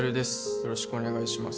よろしくお願いします